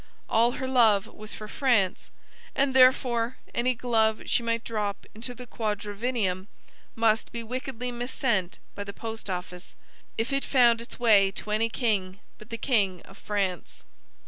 All her love was for France; and, therefore, any glove she might drop into the quadrivium must be wickedly missent by the post office, if it found its way to any king but the king of France.